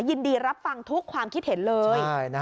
ยินดีรับฟังทุกความคิดเห็นเลย